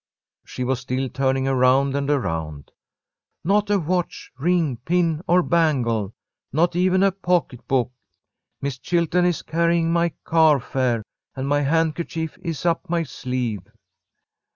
She was still turning around and around. "Not a watch, ring, pin, or bangle! Not even a pocketbook. Miss Chilton is carrying my car fare, and my handkerchief is up my sleeve."